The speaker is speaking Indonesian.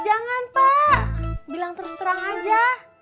jangan pak bilang terus terang aja